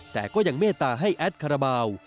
แต่ก็ยังเมตตาให้แอดคาราบาล